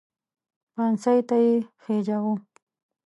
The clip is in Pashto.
پانسۍ ته یې خېژاوې.